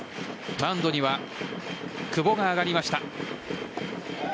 マウンドには久保が上がりました。